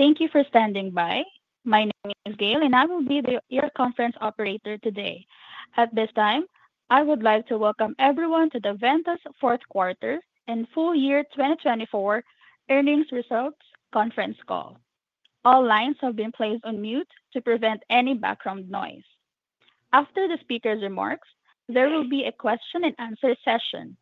Thank you for standing by. My name is Gayle, and I will be your conference operator today. At this time, I would like to welcome everyone to the Ventas 4th Quarter and Full Year 2024 Earnings Results Conference Call. All lines have been placed on mute to prevent any background noise. After the speaker's remarks, there will be a question-and-answer session.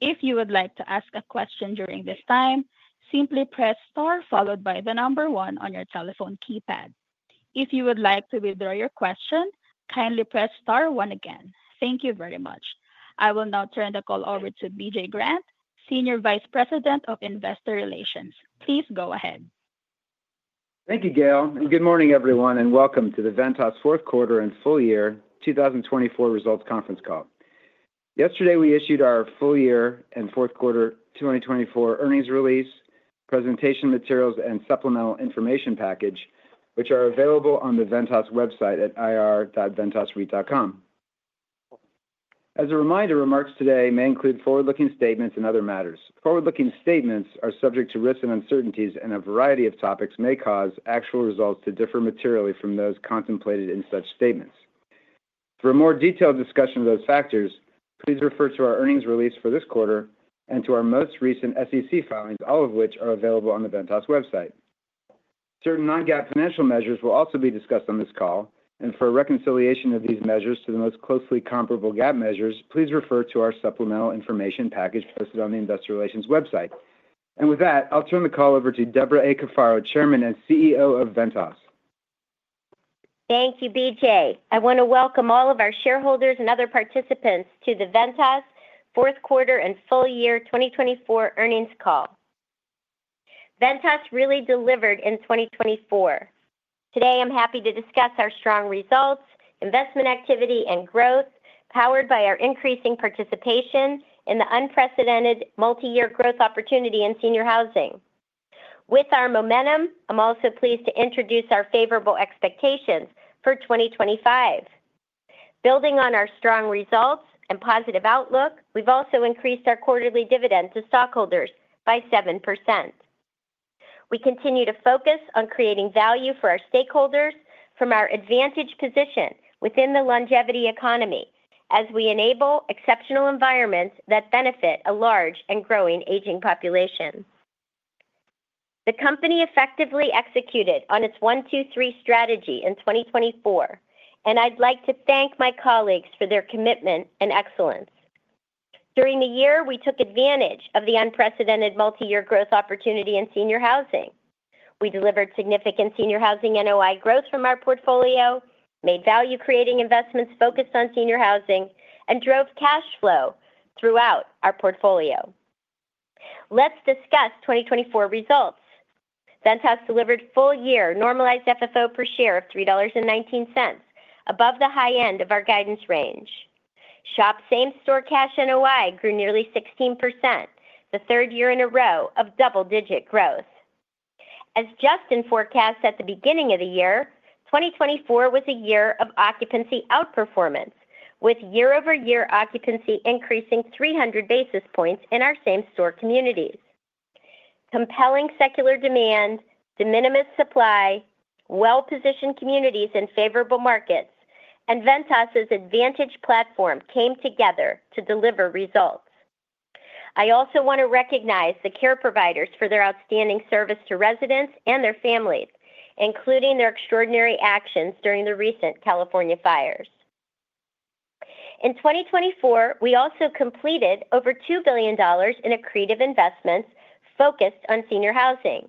If you would like to ask a question during this time, simply press star followed by the number one on your telephone keypad. If you would like to withdraw your question, kindly press star one again. Thank you very much. I will now turn the call over to BJ Grant, Senior Vice President of Investor Relations. Please go ahead. Thank you, Gayle. Good morning, everyone, and welcome to the Ventas 4th Quarter and Full Year 2024 Results Conference Call. Yesterday, we issued our Full Year and 4th Quarter 2024 Earnings Release, Presentation Materials, and Supplemental Information Package, which are available on the Ventas website at ir.ventas.com. As a reminder, remarks today may include forward-looking statements and other matters. Forward-looking statements are subject to risks and uncertainties, and a variety of topics may cause actual results to differ materially from those contemplated in such statements. For a more detailed discussion of those factors, please refer to our earnings release for this quarter and to our most recent SEC filings, all of which are available on the Ventas website. Certain non-GAAP financial measures will also be discussed on this call, and for reconciliation of these measures to the most closely comparable GAAP measures, please refer to our Supplemental Information Package posted on the Investor Relations website, and with that, I'll turn the call over to Debra A. Cafaro, Chairman and CEO of Ventas. Thank you, BJ. I want to welcome all of our shareholders and other participants to the Ventas 4th Quarter and Full Year 2024 Earnings Call. Ventas really delivered in 2024. Today, I'm happy to discuss our strong results, investment activity, and growth powered by our increasing participation in the unprecedented multi-year growth opportunity in senior housing. With our momentum, I'm also pleased to introduce our favorable expectations for 2025. Building on our strong results and positive outlook, we've also increased our quarterly dividend to stockholders by 7%. We continue to focus on creating value for our stakeholders from our advantage position within the longevity economy as we enable exceptional environments that benefit a large and growing aging population. The company effectively executed on its 1-2-3 strategy in 2024, and I'd like to thank my colleagues for their commitment and excellence. During the year, we took advantage of the unprecedented multi-year growth opportunity in senior housing. We delivered significant senior housing NOI growth from our portfolio, made value-creating investments focused on senior housing, and drove cash flow throughout our portfolio. Let's discuss 2024 results. Ventas delivered full-year normalized FFO per share of $3.19, above the high end of our guidance range. SHOP Same-Store Cash NOI grew nearly 16%, the third year in a row of double-digit growth. As Justin forecast at the beginning of the year, 2024 was a year of occupancy outperformance, with year-over-year occupancy increasing 300 basis points in our same-store communities. Compelling secular demand, de minimis supply, well-positioned communities in favorable markets, and Ventas's advantage platform came together to deliver results. I also want to recognize the care providers for their outstanding service to residents and their families, including their extraordinary actions during the recent California fires. In 2024, we also completed over $2 billion in accretive investments focused on senior housing.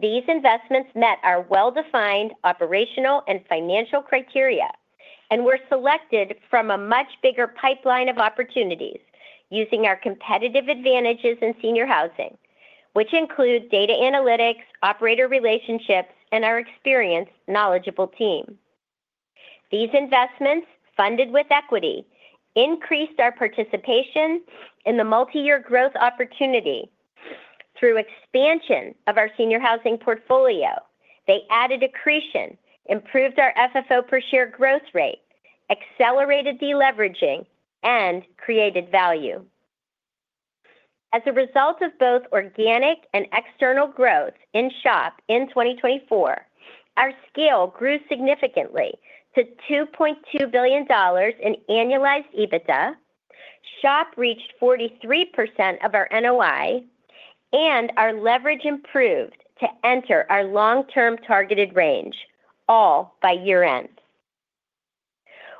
These investments met our well-defined operational and financial criteria and were selected from a much bigger pipeline of opportunities using our competitive advantages in senior housing, which include data analytics, operator relationships, and our experienced, knowledgeable team. These investments, funded with equity, increased our participation in the multi-year growth opportunity through expansion of our senior housing portfolio. They added accretion, improved our FFO per share growth rate, accelerated deleveraging, and created value. As a result of both organic and external growth in SHOP in 2024, our scale grew significantly to $2.2 billion in annualized EBITDA, SHOP reached 43% of our NOI, and our leverage improved to enter our long-term targeted range, all by year-end.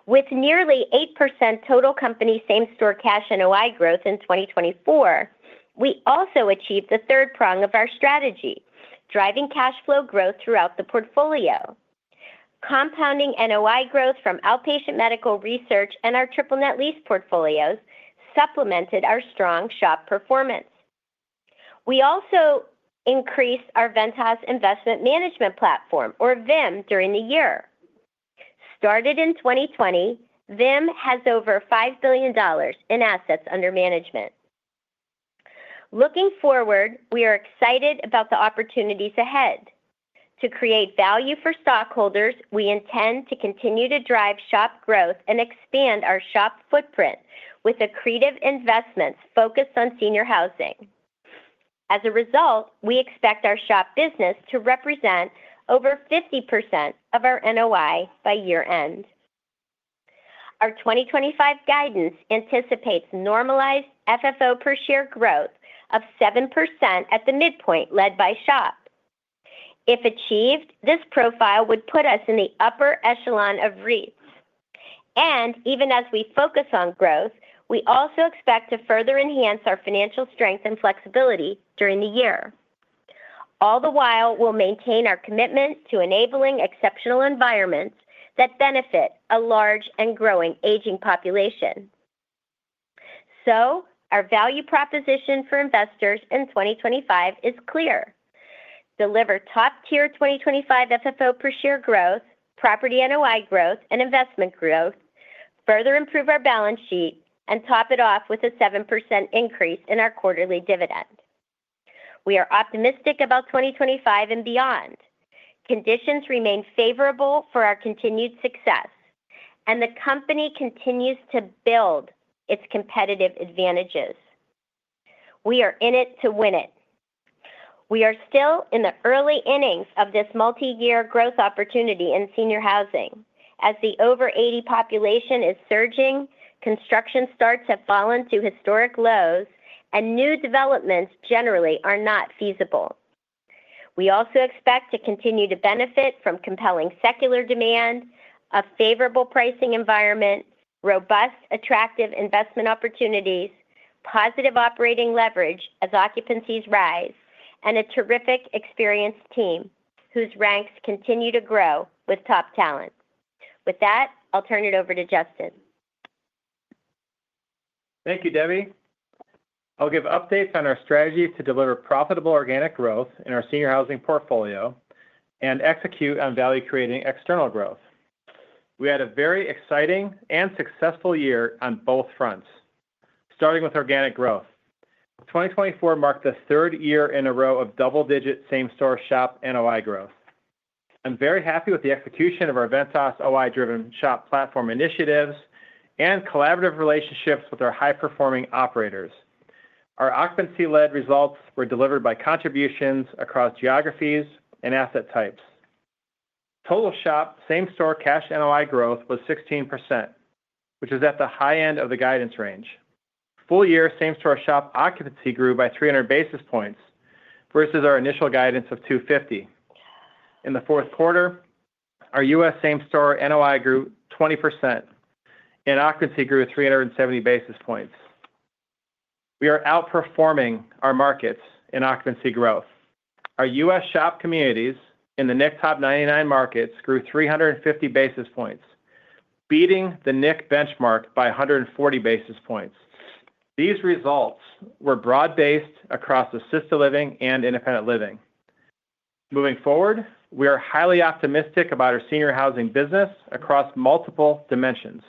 With nearly 8% total company Same-Store Cash NOI growth in 2024, we also achieved the third prong of our strategy, driving cash flow growth throughout the portfolio. Compounding NOI growth from outpatient medical research and our triple-net lease portfolios supplemented our strong SHOP performance. We also increased our Ventas Investment Management Platform, or VIM, during the year. Started in 2020, VIM has over $5 billion in assets under management. Looking forward, we are excited about the opportunities ahead. To create value for stockholders, we intend to continue to drive SHOP growth and expand our SHOP footprint with accretive investments focused on senior housing. As a result, we expect our SHOP business to represent over 50% of our NOI by year-end. Our 2025 guidance anticipates normalized FFO per share growth of 7% at the midpoint led by SHOP. If achieved, this profile would put us in the upper echelon of REITs. And even as we focus on growth, we also expect to further enhance our financial strength and flexibility during the year. All the while, we'll maintain our commitment to enabling exceptional environments that benefit a large and growing aging population. So, our value proposition for investors in 2025 is clear: deliver top-tier 2025 FFO per share growth, property NOI growth, and investment growth, further improve our balance sheet, and top it off with a 7% increase in our quarterly dividend. We are optimistic about 2025 and beyond. Conditions remain favorable for our continued success, and the company continues to build its competitive advantages. We are in it to win it. We are still in the early innings of this multi-year growth opportunity in senior housing. As the over-80 population is surging, construction starts have fallen to historic lows, and new developments generally are not feasible. We also expect to continue to benefit from compelling secular demand, a favorable pricing environment, robust, attractive investment opportunities, positive operating leverage as occupancies rise, and a terrific, experienced team whose ranks continue to grow with top talent. With that, I'll turn it over to Justin. Thank you, Debbie. I'll give updates on our strategy to deliver profitable organic growth in our senior housing portfolio and execute on value-creating external growth. We had a very exciting and successful year on both fronts, starting with organic growth. 2024 marked the third year in a row of double-digit same-store SHOP NOI growth. I'm very happy with the execution of our Ventas OI-driven SHOP platform initiatives and collaborative relationships with our high-performing operators. Our occupancy-led results were delivered by contributions across geographies and asset types. Total SHOP Same-Store Cash NOI growth was 16%, which is at the high end of the guidance range. Full-year same-store SHOP occupancy grew by 300 basis points versus our initial guidance of 250. In the fourth quarter, our U.S. same-store NOI grew 20%, and occupancy grew 370 basis points. We are outperforming our markets in occupancy growth. Our U.S. SHOP communities in the NIC top 99 markets grew 350 basis points, beating the NIC benchmark by 140 basis points. These results were broad-based across assisted living and independent living. Moving forward, we are highly optimistic about our senior housing business across multiple dimensions.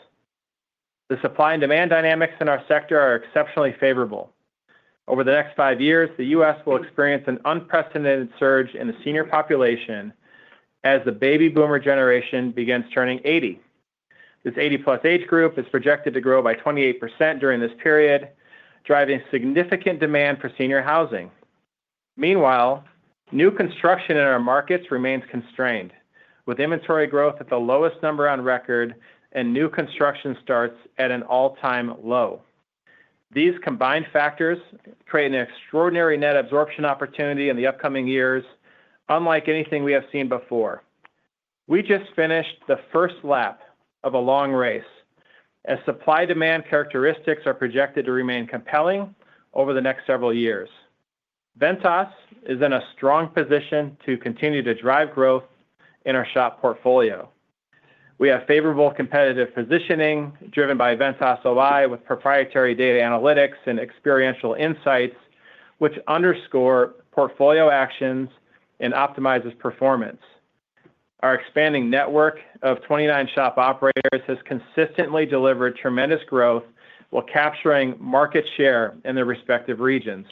The supply and demand dynamics in our sector are exceptionally favorable. Over the next five years, the U.S. will experience an unprecedented surge in the senior population as the baby boomer generation begins turning 80. This 80-plus age group is projected to grow by 28% during this period, driving significant demand for senior housing. Meanwhile, new construction in our markets remains constrained, with inventory growth at the lowest number on record and new construction starts at an all-time low. These combined factors create an extraordinary net absorption opportunity in the upcoming years, unlike anything we have seen before. We just finished the first lap of a long race, as supply-demand characteristics are projected to remain compelling over the next several years. Ventas is in a strong position to continue to drive growth in our SHOP portfolio. We have favorable competitive positioning driven by Ventas OI with proprietary data analytics and experiential insights, which underscore portfolio actions and optimize performance. Our expanding network of 29 SHOP operators has consistently delivered tremendous growth while capturing market share in their respective regions.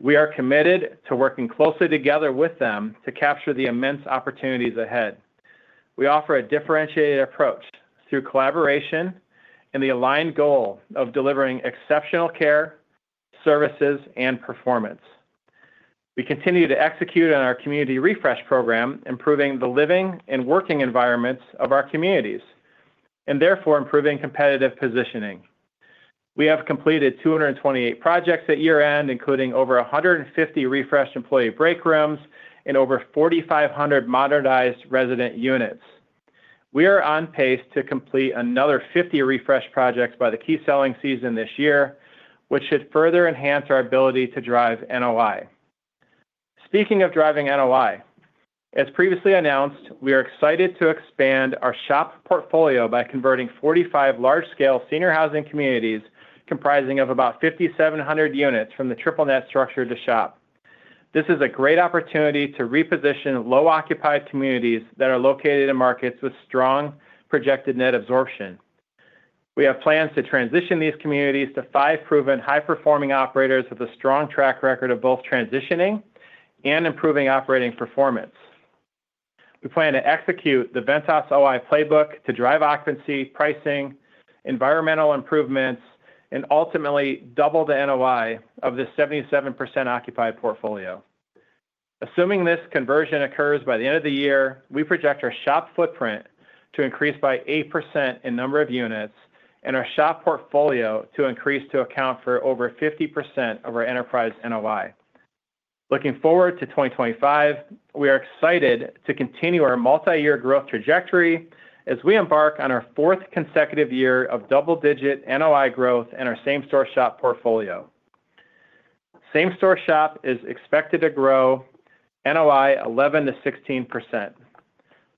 We are committed to working closely together with them to capture the immense opportunities ahead. We offer a differentiated approach through collaboration and the aligned goal of delivering exceptional care, services, and performance. We continue to execute on our community refresh program, improving the living and working environments of our communities and therefore improving competitive positioning. We have completed 228 projects at year-end, including over 150 refreshed employee break rooms and over 4,500 modernized resident units. We are on pace to complete another 50 refresh projects by the key selling season this year, which should further enhance our ability to drive NOI. Speaking of driving NOI, as previously announced, we are excited to expand our SHOP portfolio by converting 45 large-scale senior housing communities comprising of about 5,700 units from the triple-net structure to SHOP. This is a great opportunity to reposition low-occupied communities that are located in markets with strong projected net absorption. We have plans to transition these communities to five proven high-performing operators with a strong track record of both transitioning and improving operating performance. We plan to execute the Ventas OI playbook to drive occupancy, pricing, environmental improvements, and ultimately double the NOI of the 77% occupied portfolio. Assuming this conversion occurs by the end of the year, we project our SHOP footprint to increase by 8% in number of units and our SHOP portfolio to increase to account for over 50% of our enterprise NOI. Looking forward to 2025, we are excited to continue our multi-year growth trajectory as we embark on our fourth consecutive year of double-digit NOI growth in our same-store SHOP portfolio. Same-store SHOP is expected to grow NOI 11% to 16%.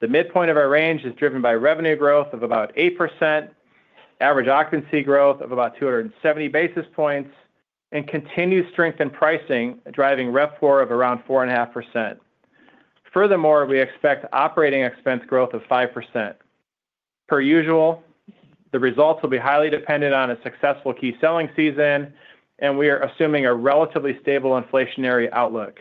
The midpoint of our range is driven by revenue growth of about 8%, average occupancy growth of about 270 basis points, and continued strength in pricing, driving RevPOR of around 4.5%. Furthermore, we expect operating expense growth of 5%. Per usual, the results will be highly dependent on a successful key selling season, and we are assuming a relatively stable inflationary outlook.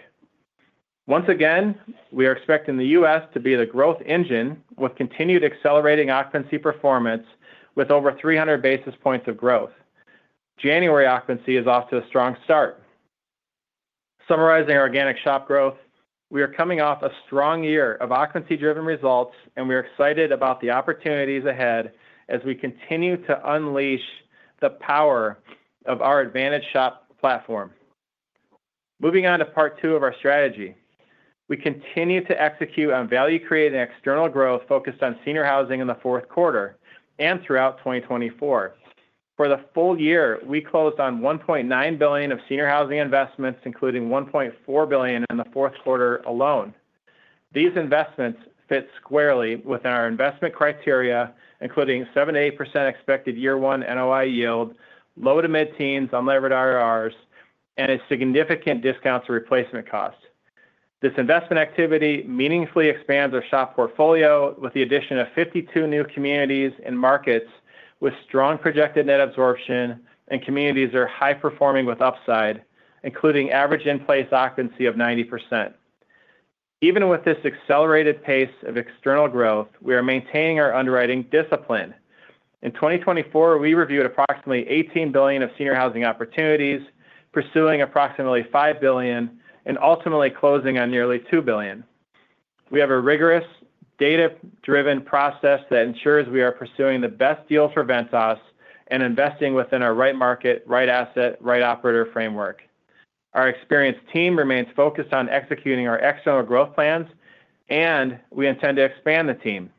Once again, we are expecting the U.S. To be the growth engine with continued accelerating occupancy performance with over 300 basis points of growth. January occupancy is off to a strong start. Summarizing our organic SHOP growth, we are coming off a strong year of occupancy-driven results, and we are excited about the opportunities ahead as we continue to unleash the power of our advantage SHOP platform. Moving on to part two of our strategy, we continue to execute on value-creating external growth focused on senior housing in the fourth quarter and throughout 2024. For the full year, we closed on $1.9 billion of senior housing investments, including $1.4 billion in the fourth quarter alone. These investments fit squarely within our investment criteria, including 7%-8% expected year-one NOI yield, low to mid-teens on leverage IRRs, and a significant discount to replacement cost. This investment activity meaningfully expands our SHOP portfolio with the addition of 52 new communities and markets with strong projected net absorption, and communities that are high-performing with upside, including average in-place occupancy of 90%. Even with this accelerated pace of external growth, we are maintaining our underwriting discipline. In 2024, we reviewed approximately $18 billion of senior housing opportunities, pursuing approximately $5 billion and ultimately closing on nearly $2 billion. We have a rigorous data-driven process that ensures we are pursuing the best deal for Ventas and investing within our right market, right asset, right operator framework. Our experienced team remains focused on executing our external growth plans, and we intend to expand the team.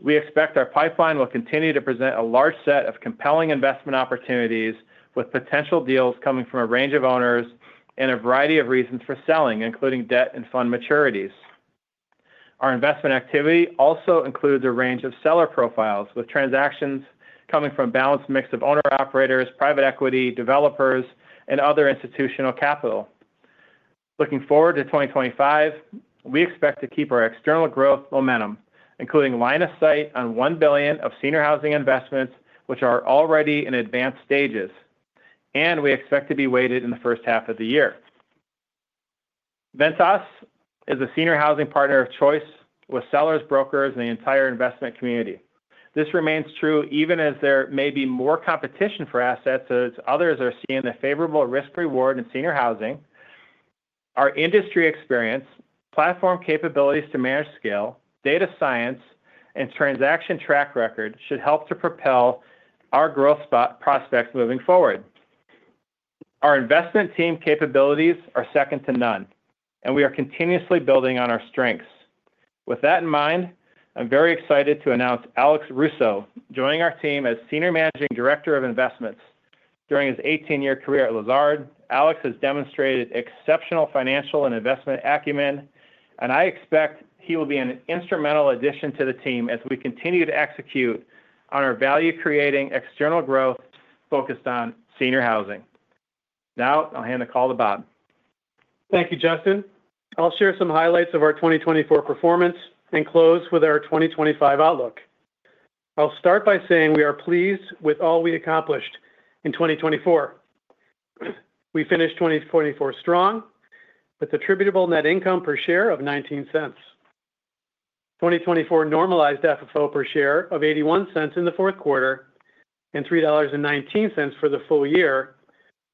We expect our pipeline will continue to present a large set of compelling investment opportunities with potential deals coming from a range of owners and a variety of reasons for selling, including debt and fund maturities. Our investment activity also includes a range of seller profiles with transactions coming from a balanced mix of owner-operators, private equity, developers, and other institutional capital. Looking forward to 2025, we expect to keep our external growth momentum, including line of sight on $1 billion of senior housing investments, which are already in advanced stages, and we expect to be weighted in the first half of the year. Ventas is a senior housing partner of choice with sellers, brokers, and the entire investment community. This remains true even as there may be more competition for assets as others are seeing the favorable risk-reward in senior housing. Our industry experience, platform capabilities to manage scale, data science, and transaction track record should help to propel our growth prospects moving forward. Our investment team capabilities are second to none, and we are continuously building on our strengths. With that in mind, I'm very excited to announce Alec Russo, joining our team as Senior Managing Director of Investments. During his 18-year career at Lazard, Alec has demonstrated exceptional financial and investment acumen, and I expect he will be an instrumental addition to the team as we continue to execute on our value-creating external growth focused on senior housing. Now, I'll hand the call to Bob. Thank you, Justin. I'll share some highlights of our 2024 performance and close with our 2025 outlook. I'll start by saying we are pleased with all we accomplished in 2024. We finished 2024 strong with attributable net income per share of $0.19. 2024 normalized FFO per share of $0.81 in the fourth quarter and $3.19 for the full year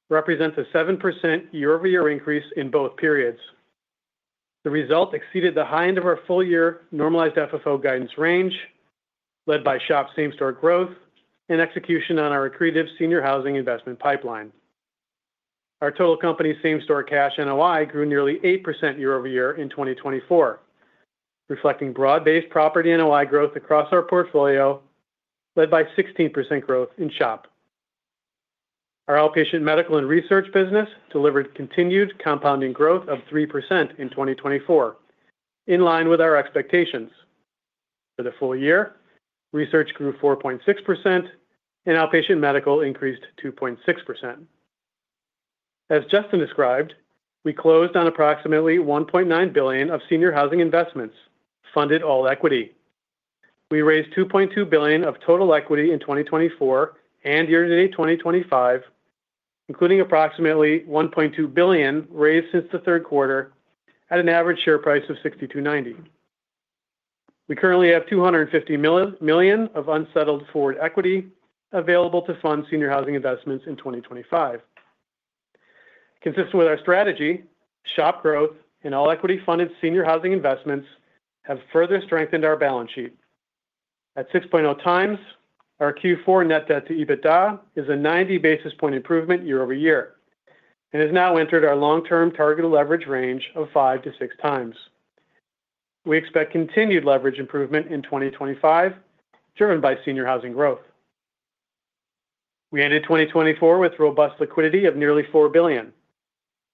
represents a 7% year-over-year increase in both periods. The result exceeded the high end of our full-year normalized FFO guidance range, led by SHOP same-store growth and execution on our accretive senior housing investment pipeline. Our total company same-store cash NOI grew nearly 8% year-over-year in 2024, reflecting broad-based property NOI growth across our portfolio, led by 16% growth in SHOP. Our outpatient medical and research business delivered continued compounding growth of 3% in 2024, in line with our expectations. For the full year, research grew 4.6%, and outpatient medical increased 2.6%. As Justin described, we closed on approximately $1.9 billion of senior housing investments, funded all equity. We raised $2.2 billion of total equity in 2024 and year-to-date 2025, including approximately $1.2 billion raised since the third quarter at an average share price of $62.90. We currently have $250 million of unsettled forward equity available to fund senior housing investments in 2025. Consistent with our strategy, SHOP growth and all equity-funded senior housing investments have further strengthened our balance sheet. At 6.0 times, our Q4 net debt to EBITDA is a 90 basis point improvement year-over-year and has now entered our long-term targeted leverage range of five to six times. We expect continued leverage improvement in 2025, driven by senior housing growth. We ended 2024 with robust liquidity of nearly $4 billion,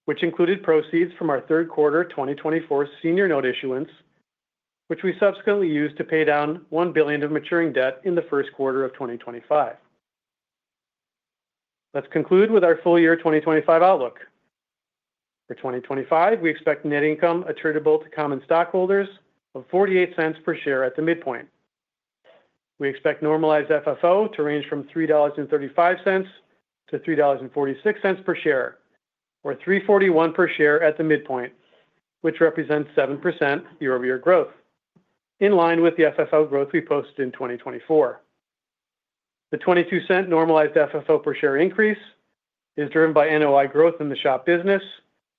which included proceeds from our third quarter 2024 senior note issuance, which we subsequently used to pay down $1 billion of maturing debt in the first quarter of 2025. Let's conclude with our full-year 2025 outlook. For 2025, we expect net income attributable to common stockholders of $0.48 per share at the midpoint. We expect normalized FFO to range from $3.35-$3.46 per share, or $3.41 per share at the midpoint, which represents 7% year-over-year growth, in line with the FFO growth we posted in 2024. The $0.22 normalized FFO per share increase is driven by NOI growth in the SHOP business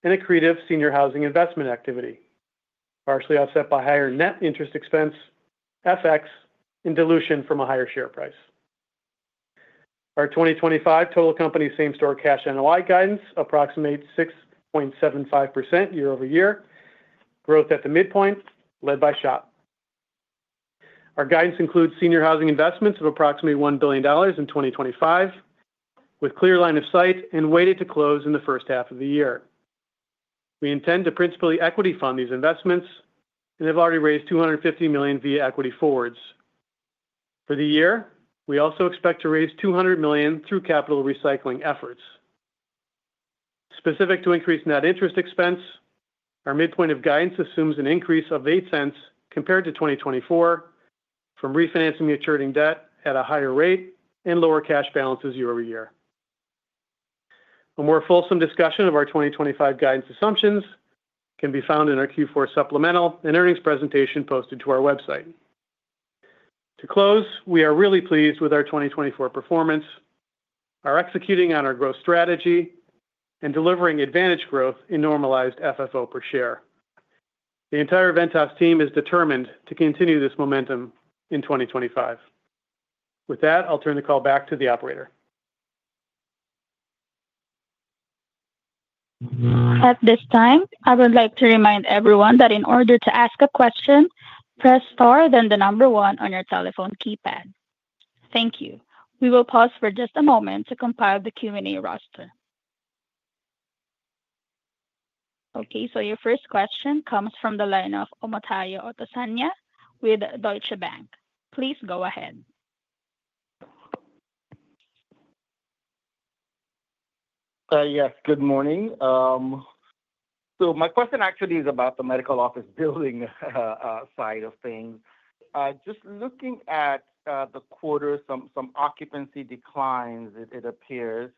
and accretive senior housing investment activity, partially offset by higher net interest expense, FX, and dilution from a higher share price. Our 2025 total company same-store cash NOI guidance approximates 6.75% year-over-year growth at the midpoint, led by SHOP. Our guidance includes senior housing investments of approximately $1 billion in 2025, with clear line of sight and weighted to close in the first half of the year. We intend to principally equity fund these investments and have already raised $250 million via equity forwards. For the year, we also expect to raise $200 million through capital recycling efforts. Specific to increased net interest expense, our midpoint of guidance assumes an increase of $0.08 compared to 2024 from refinancing maturing debt at a higher rate and lower cash balances year-over-year. A more fulsome discussion of our 2025 guidance assumptions can be found in our Q4 supplemental and earnings presentation posted to our website. To close, we are really pleased with our 2024 performance, our executing on our growth strategy, and delivering advantage growth in normalized FFO per share. The entire Ventas team is determined to continue this momentum in 2025. With that, I'll turn the call back to the operator. At this time, I would like to remind everyone that in order to ask a question, press star then the number one on your telephone keypad. Thank you. We will pause for just a moment to compile the Q&A roster. Okay, so your first question comes from the line of Omotayo Okusanya with Deutsche Bank. Please go ahead. Yes, good morning. So my question actually is about the medical office building side of things. Just looking at the quarter, some occupancy declines, it appears.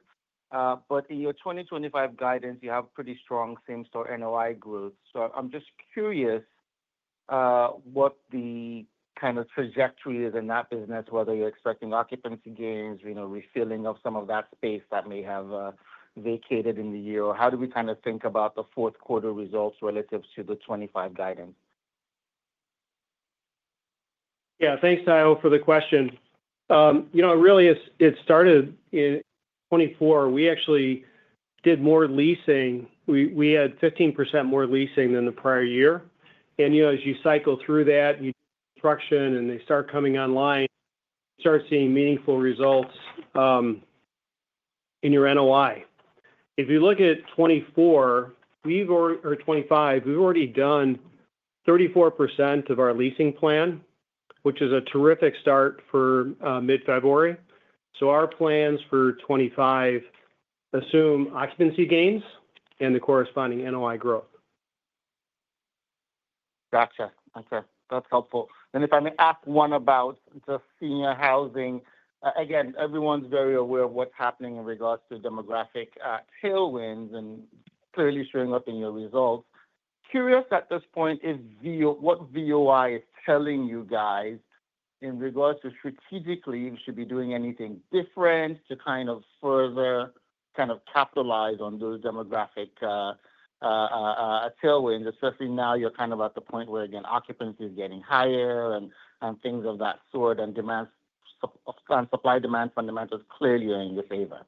But in your 2025 guidance, you have pretty strong same-store NOI growth. So I'm just curious what the kind of trajectory is in that business, whether you're expecting occupancy gains, refilling of some of that space that may have vacated in the year, or how do we kind of think about the fourth quarter results relative to the 2025 guidance? Yeah, thanks, Tayo, for the question. You know, really, it started in 2024. We actually did more leasing. We had 15% more leasing than the prior year, and as you cycle through that, you do construction, and they start coming online, you start seeing meaningful results in your NOI. If you look at 2024 or 2025, we've already done 34% of our leasing plan, which is a terrific start for mid-February, so our plans for 2025 assume occupancy gains and the corresponding NOI growth. Gotcha. Okay. That's helpful. And if I may ask one about just senior housing, again, everyone's very aware of what's happening in regards to demographic tailwinds and clearly showing up in your results. Curious at this point is what Ventas OI is telling you guys in regards to strategically if you should be doing anything different to kind of further kind of capitalize on those demographic tailwinds, especially now you're kind of at the point where, again, occupancy is getting higher and things of that sort, and supply-demand fundamentals clearly are in your favor?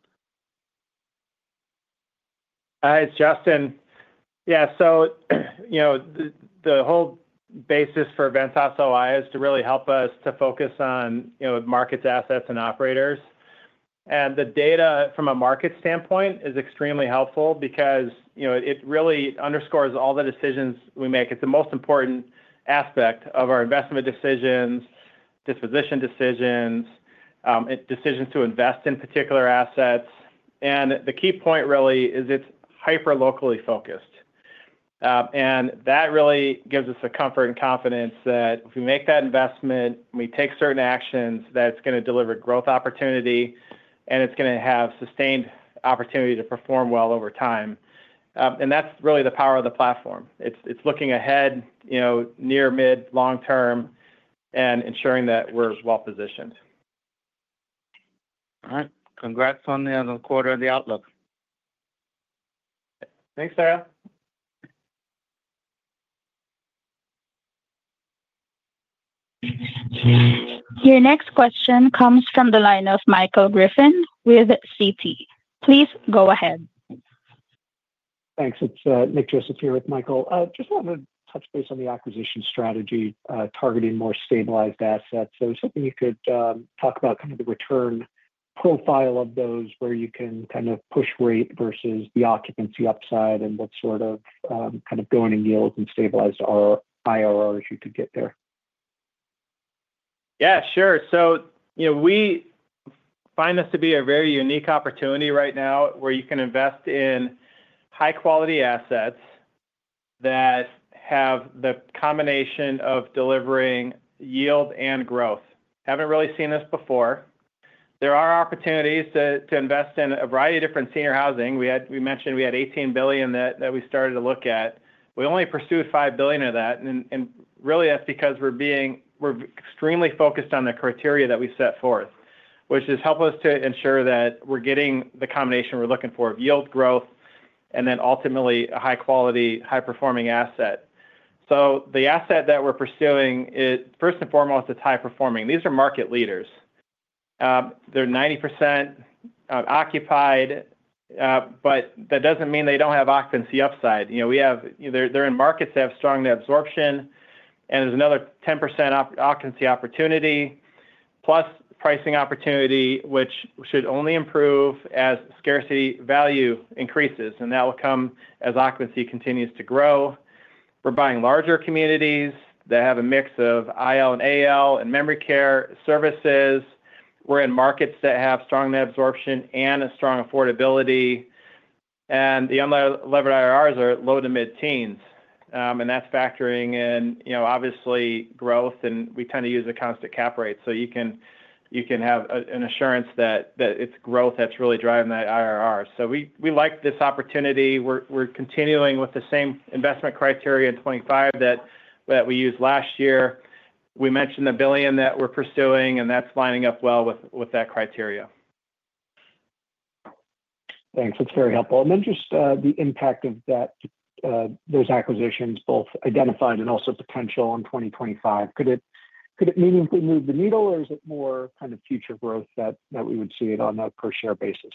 Hi, it's Justin. Yeah, so you know the whole basis for Ventas OI is to really help us to focus on markets, assets, and operators, and the data from a market standpoint is extremely helpful because it really underscores all the decisions we make. It's the most important aspect of our investment decisions, disposition decisions, decisions to invest in particular assets, and the key point really is it's hyper-locally focused, and that really gives us the comfort and confidence that if we make that investment, we take certain actions, that it's going to deliver growth opportunity, and it's going to have sustained opportunity to perform well over time, and that's really the power of the platform. It's looking ahead, near, mid, long-term, and ensuring that we're as well-positioned. All right. Congrats on the quarter and the outlook. Thanks, Sarah. Your next question comes from the line of Michael Griffin with Citi. Please go ahead. Thanks. It's Nick Joseph here with Michael. Just wanted to touch base on the acquisition strategy, targeting more stabilized assets. I was hoping you could talk about kind of the return profile of those where you can kind of push rate versus the occupancy upside and what sort of kind of going in yields and stabilized IRRs you could get there? Yeah, sure. So we find this to be a very unique opportunity right now where you can invest in high-quality assets that have the combination of delivering yield and growth. Haven't really seen this before. There are opportunities to invest in a variety of different senior housing. We mentioned we had $18 billion that we started to look at. We only pursued $5 billion of that. And really, that's because we're extremely focused on the criteria that we set forth, which has helped us to ensure that we're getting the combination we're looking for of yield, growth, and then ultimately a high-quality, high-performing asset. So the asset that we're pursuing, first and foremost, it's high-performing. These are market leaders. They're 90% occupied, but that doesn't mean they don't have occupancy upside. They're in markets that have strong absorption, and there's another 10% occupancy opportunity, plus pricing opportunity, which should only improve as scarcity value increases. And that will come as occupancy continues to grow. We're buying larger communities that have a mix of IL and AL and memory care services. We're in markets that have strong net absorption and a strong affordability. And the unlevered IRRs are low-to-mid-teens. And that's factoring in, obviously, growth, and we tend to use a constant cap rate. So you can have an assurance that it's growth that's really driving that IRR. So we like this opportunity. We're continuing with the same investment criteria in 2025 that we used last year. We mentioned the $1 billion that we're pursuing, and that's lining up well with that criteria. Thanks. That's very helpful. I'm interested in the impact of those acquisitions, both identified and also potential in 2025. Could it meaningfully move the needle, or is it more kind of future growth that we would see it on a per-share basis?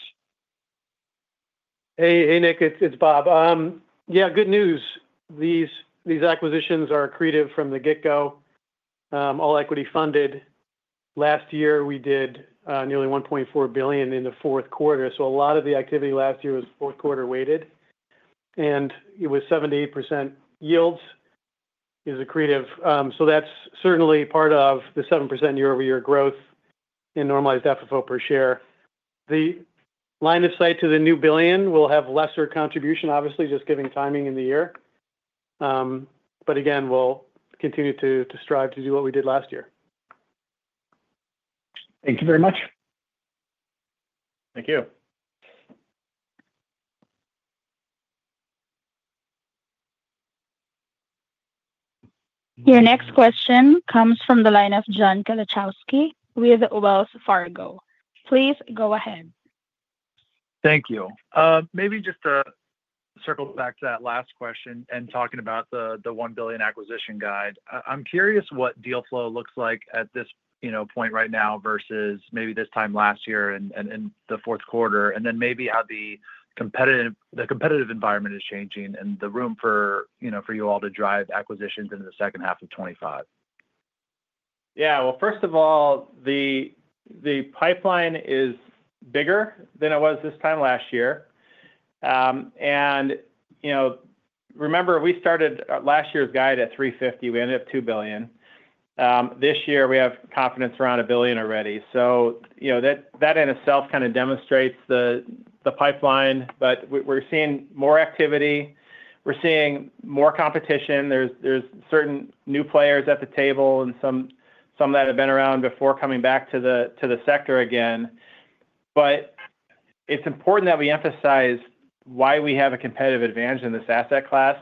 Hey, Nick, it's Bob. Yeah, good news. These acquisitions are accretive from the get-go, all equity-funded. Last year, we did nearly $1.4 billion in the fourth quarter. So a lot of the activity last year was fourth-quarter weighted, and it was 78% yields is accretive. So that's certainly part of the 7% year-over-year growth in normalized FFO per share. The line of sight to the new billion will have lesser contribution, obviously, just giving timing in the year. But again, we'll continue to strive to do what we did last year. Thank you very much. Thank you. Your next question comes from the line of John Kilichowski with Wells Fargo. Please go ahead. Thank you. Maybe just to circle back to that last question and talking about the $1 billion acquisition guide. I'm curious what deal flow looks like at this point right now versus maybe this time last year and the fourth quarter, and then maybe how the competitive environment is changing and the room for you all to drive acquisitions into the second half of 2025. Yeah. Well, first of all, the pipeline is bigger than it was this time last year. And remember, we started last year's guide at $350 million. We ended up $2 billion. This year, we have confidence around $1 billion already. So that in itself kind of demonstrates the pipeline, but we're seeing more activity. We're seeing more competition. There's certain new players at the table and some that have been around before coming back to the sector again. But it's important that we emphasize why we have a competitive advantage in this asset class.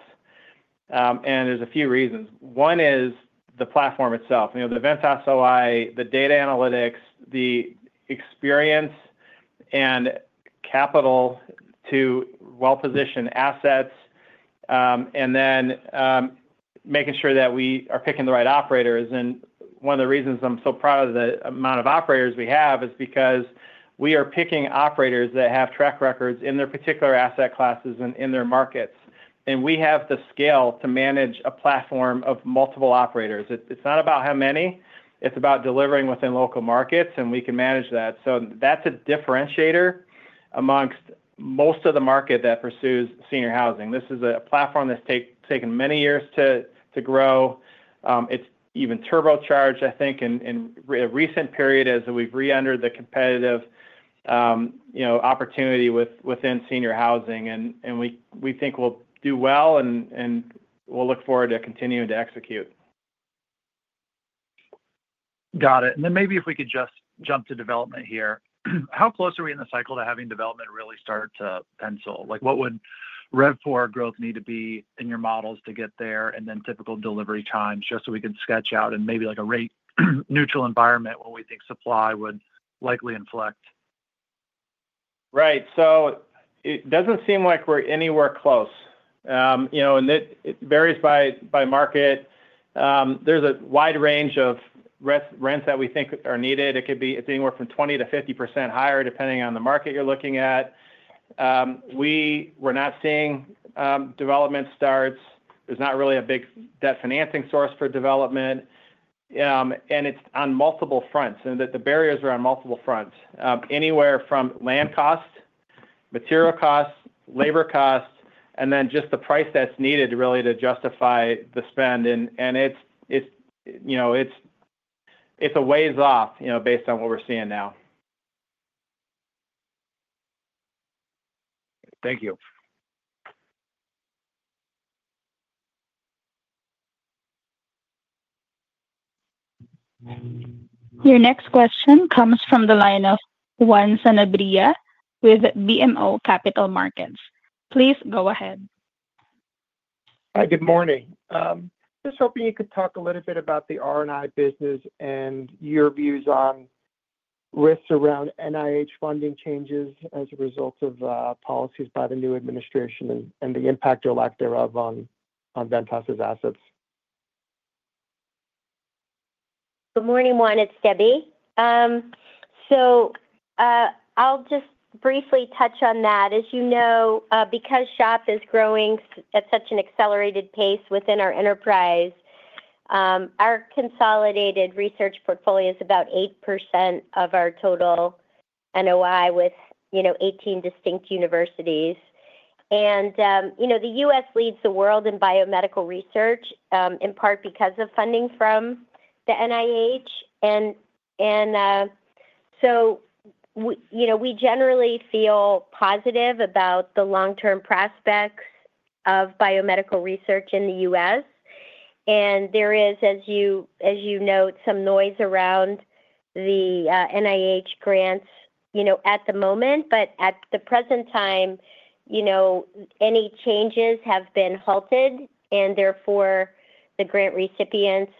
And there's a few reasons. One is the platform itself. The Ventas OI, the data analytics, the experience and capital to well-positioned assets, and then making sure that we are picking the right operators. And one of the reasons I'm so proud of the amount of operators we have is because we are picking operators that have track records in their particular asset classes and in their markets. And we have the scale to manage a platform of multiple operators. It's not about how many. It's about delivering within local markets, and we can manage that. So that's a differentiator amongst most of the market that pursues senior housing. This is a platform that's taken many years to grow. It's even turbocharged, I think, in a recent period as we've re-entered the competitive opportunity within senior housing, and we think we'll do well, and we'll look forward to continuing to execute. Got it, and then maybe if we could just jump to development here. How close are we in the cycle to having development really start to pencil? What would RevPAR growth need to be in your models to get there and then typical delivery times just so we can sketch out and maybe like a rate-neutral environment where we think supply would likely inflect? Right. So it doesn't seem like we're anywhere close, and it varies by market. There's a wide range of rents that we think are needed. It could be anywhere from 20%-50% higher depending on the market you're looking at. We were not seeing development starts. There's not really a big debt financing source for development, and it's on multiple fronts. The barriers are on multiple fronts, anywhere from land cost, material cost, labor cost, and then just the price that's needed really to justify the spend, and it's a ways off based on what we're seeing now. Thank you. Your next question comes from the line of Juan Sanabria with BMO Capital Markets. Please go ahead. Hi, good morning. Just hoping you could talk a little bit about the R&I business and your views on risks around NIH funding changes as a result of policies by the new administration and the impact or lack thereof on Ventas's assets? Good morning, Juan. It's Debbie. So I'll just briefly touch on that. As you know, because SHOP is growing at such an accelerated pace within our enterprise, our consolidated research portfolio is about 8% of our total NOI with 18 distinct universities. And the U.S. leads the world in biomedical research in part because of funding from the NIH. And so we generally feel positive about the long-term prospects of biomedical research in the U.S. And there is, as you note, some noise around the NIH grants at the moment. But at the present time, any changes have been halted, and therefore, the grant recipients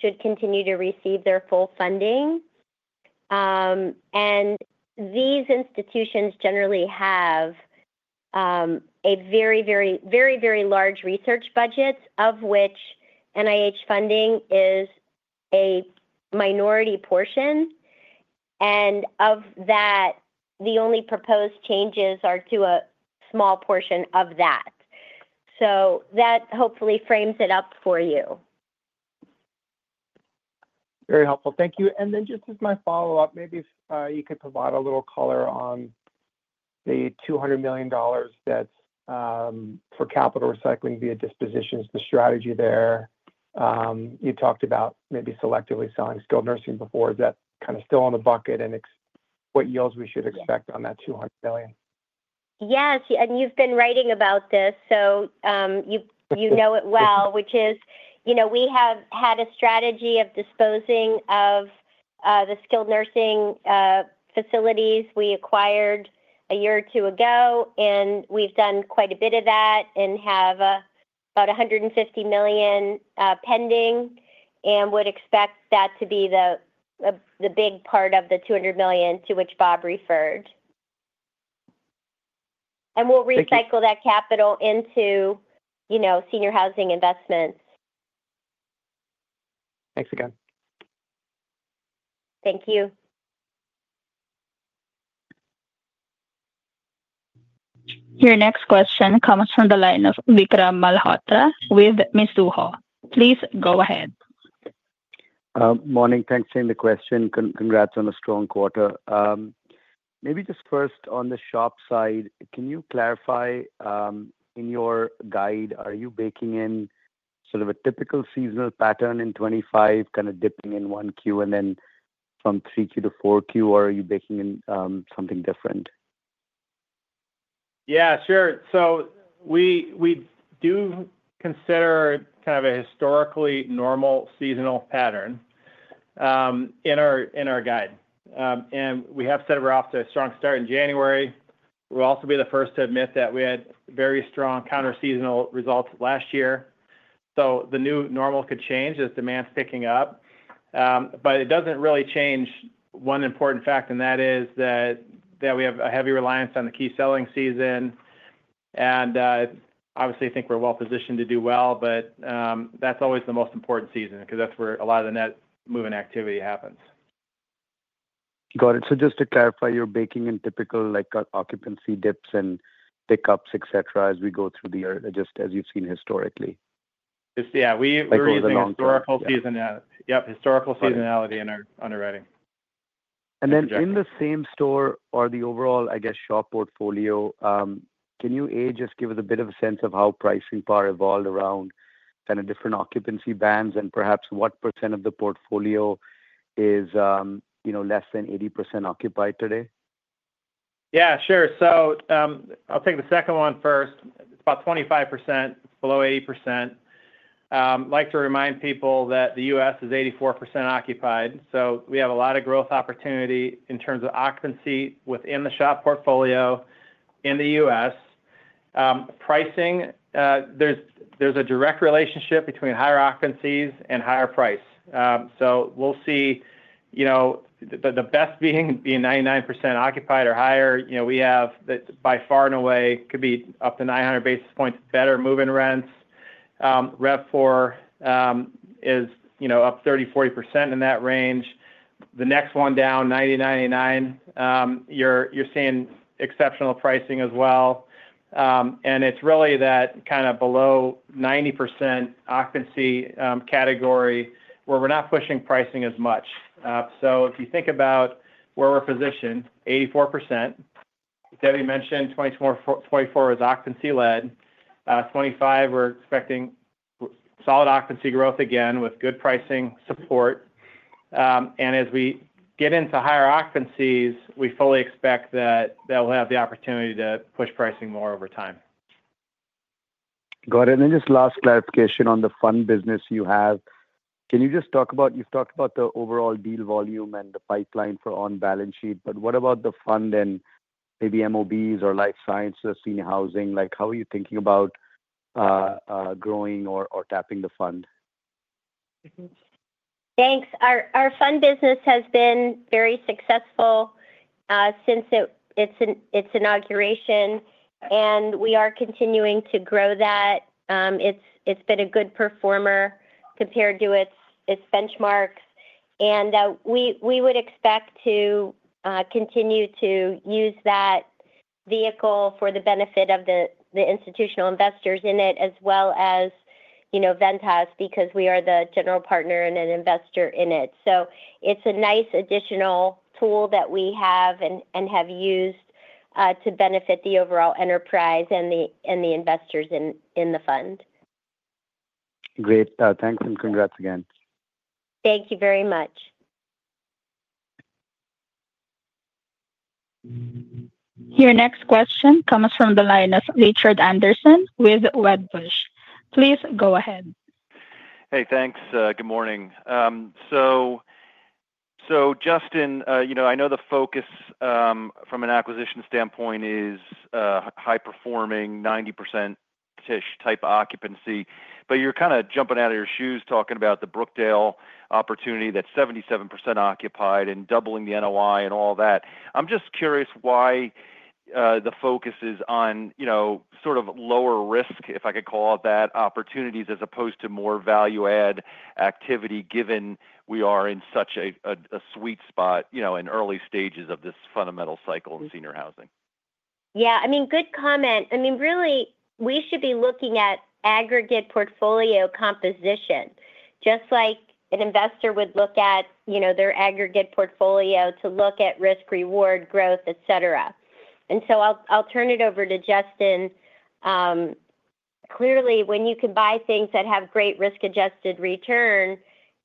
should continue to receive their full funding. And these institutions generally have a very, very, very, very large research budget, of which NIH funding is a minority portion. And of that, the only proposed changes are to a small portion of that. So that hopefully frames it up for you. Very helpful. Thank you, and then just as my follow-up, maybe if you could provide a little color on the $200 million that's for capital recycling via dispositions, the strategy there? You talked about maybe selectively selling skilled nursing before. Is that kind of still on the table, and what yields we should expect on that $200 million? Yes. And you've been writing about this, so you know it well, which is we have had a strategy of disposing of the skilled nursing facilities we acquired a year or two ago. And we've done quite a bit of that and have about $150 million pending and would expect that to be the big part of the $200 million to which Bob referred. And we'll recycle that capital into senior housing investments. Thanks again. Thank you. Your next question comes from the line of Vikram Malhotra with Mizuho. Please go ahead. Morning. Thanks for the question. Congrats on a strong quarter. Maybe just first on the SHOP side, can you clarify in your guide, are you baking in sort of a typical seasonal pattern in 2025, kind of dipping in 1Q and then from 3Q-4Q, or are you baking in something different? Yeah, sure. So we do consider kind of a historically normal seasonal pattern in our guide. And we have said we're off to a strong start in January. We'll also be the first to admit that we had very strong counter-seasonal results last year. So the new normal could change as demand's picking up. But it doesn't really change one important fact, and that is that we have a heavy reliance on the key selling season. And obviously, I think we're well-positioned to do well, but that's always the most important season because that's where a lot of the net moving activity happens. Got it. So just to clarify, you're baking in typical occupancy dips and pickups, etc., as we go through the year, just as you've seen historically? Yeah. We're using historical seasonality. Yep, historical seasonality underwriting. And then in the same-store or the overall, I guess, SHOP portfolio, can you just give us a bit of a sense of how pricing power evolved around kind of different occupancy bands and perhaps what percent of the portfolio is less than 80% occupied today? Yeah, sure. So I'll take the second one first. It's about 25% below 80%. I'd like to remind people that the U.S. is 84% occupied. So we have a lot of growth opportunity in terms of occupancy within the SHOP portfolio in the U.S. Pricing, there's a direct relationship between higher occupancies and higher price. So we'll see the best being 99% occupied or higher. We have by far and away could be up to 900 basis points better moving rents. RevPOR is up 30%-40% in that range. The next one down, 90%-99%, you're seeing exceptional pricing as well. And it's really that kind of below 90% occupancy category where we're not pushing pricing as much. So if you think about where we're positioned, 84%, Debbie mentioned 2024 was occupancy-led. 2025, we're expecting solid occupancy growth again with good pricing support. As we get into higher occupancies, we fully expect that we'll have the opportunity to push pricing more over time. Got it, and then just last clarification on the fund business you have. Can you just talk about you've talked about the overall deal volume and the pipeline for on-balance sheet, but what about the fund and maybe MOBs or life sciences or senior housing? How are you thinking about growing or tapping the fund? Thanks. Our fund business has been very successful since its inauguration, and we are continuing to grow that. It's been a good performer compared to its benchmarks. And we would expect to continue to use that vehicle for the benefit of the institutional investors in it as well as Ventas because we are the general partner and an investor in it. So it's a nice additional tool that we have and have used to benefit the overall enterprise and the investors in the fund. Great. Thanks and congrats again. Thank you very much. Your next question comes from the line of Richard Anderson with Wedbush. Please go ahead. Hey, thanks. Good morning. So Justin, I know the focus from an acquisition standpoint is high-performing 90%-ish type of occupancy. But you're kind of jumping out of your shoes talking about the Brookdale opportunity that's 77% occupied and doubling the NOI and all that. I'm just curious why the focus is on sort of lower risk, if I could call it that, opportunities as opposed to more value-add activity given we are in such a sweet spot in early stages of this fundamental cycle in senior housing? Yeah. I mean, good comment. I mean, really, we should be looking at aggregate portfolio composition, just like an investor would look at their aggregate portfolio to look at risk-reward growth, etc. And so I'll turn it over to Justin. Clearly, when you can buy things that have great risk-adjusted return,